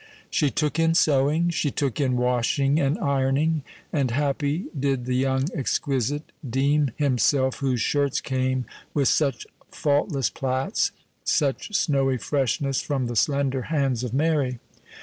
She took in sewing she took in washing and ironing; and happy did the young exquisite deem himself, whose shirts came with such faultless plaits, such snowy freshness, from the slender hands of Mary.